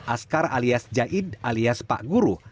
askar alias jaid alias pak guru